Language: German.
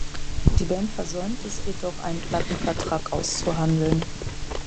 Die Band versäumte es jedoch einen Plattenvertrag auszuhandeln.